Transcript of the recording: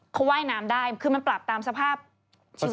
เขาว่ายน้ำได้คือมันปรับตามสภาพชีวิตความเป็นอยู่